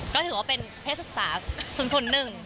ก็ถือว่าเป็นเพศศึกษาส่วนหนึ่ง